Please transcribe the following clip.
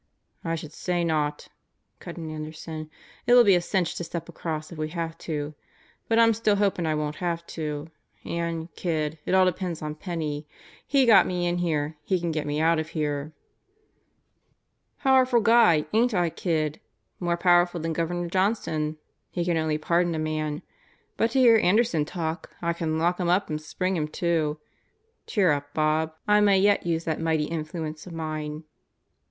"I should say not," cut in Anderson. "It'll be a cinch to step across if we have to. But I'm still hopin' I won't have to. And, kid, it all depends on Penney. He got me in here. He can get me out of here." "Powerful guy, ain't I, kid? More powerful than Governor Johnson. He can only pardon a man. But to hear Anderson talk, I can lock 'em up and spring 7 em too. Cheer up, Bob, I may yet use that mighty influence of mine."